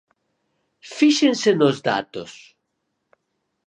Fíxense nos datos.